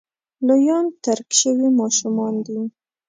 لویان ترک شوي ماشومان دي.